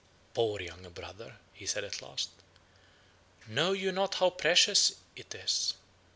"'Poor younger brother!' he said at last, 'know you not how precious it is?